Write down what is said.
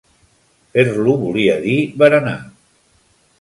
Fer-lo volia dir berenar.